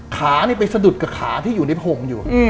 ขานี่ไปสะดุดกับขาที่อยู่ในผงอยู่